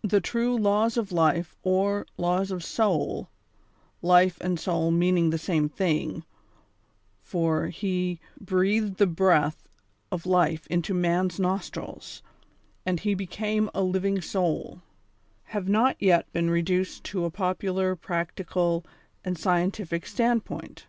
The true Laws of Life, or Laws of Soul (life and soul meaning the same thing — for He "breathed the breath of life into man's nostrils, and he became a living soul"), have not yet been reduced to a popular, practical and scientific stand point.